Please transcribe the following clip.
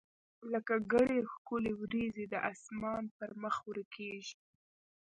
لکه ګڼي ښکلي وریځي د اسمان پر مخ ورکیږي